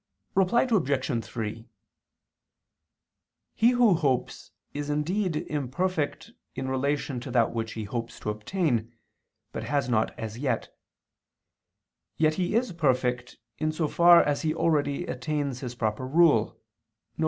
Reply Obj. 3: He who hopes is indeed imperfect in relation to that which he hopes to obtain, but has not as yet; yet he is perfect, in so far as he already attains his proper rule, viz.